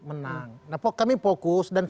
menang kami fokus dan